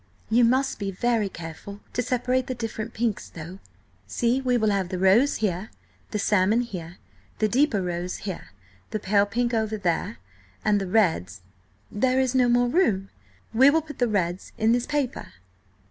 You must be very careful to separate the different pinks, though. See, we will have the rose here, the salmon here, the deeper rose here, the pale pink over there, and the reds–there is no more room–we will put the reds in this paper."